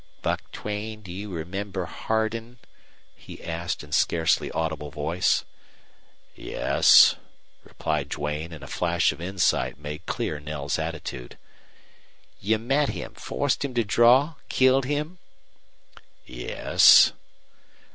"Buck Duane, do you remember Hardin?" he asked, in scarcely audible voice. "Yes," replied Duane, and a flash of insight made clear Knell's attitude. "You met him forced him to draw killed him?" "Yes."